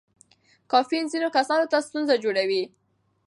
کافین ځینو کسانو ته ستونزه جوړوي.